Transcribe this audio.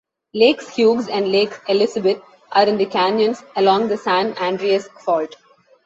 Lakes Hughes and Lake Elizabeth are in the canyons along the San Andreas Fault.